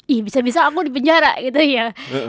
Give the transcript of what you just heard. ih bisa bisa aku di penjara gitu ya